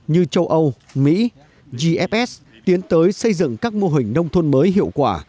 như châu âu mỹ gfs tiến tới xây dựng các mô hình nông thôn mới hiệu quả